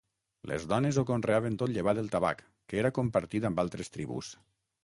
Les dones ho conreaven tot llevat el tabac, que era compartit amb altres tribus.